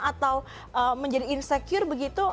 atau menjadi insecure begitu